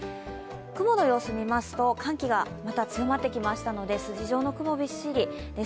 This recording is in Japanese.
雲の様子見ますと、寒気がまた強まってきましたので筋状の雲がびっしりです。